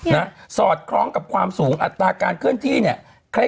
สอดคล้องกับความสูงอัตราการเคลื่อนที่เนี่ย